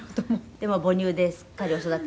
「でも母乳ですっかりお育て。